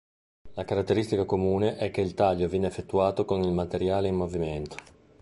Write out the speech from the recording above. La caratteristica comune è che il taglio viene effettuato con il materiale in movimento.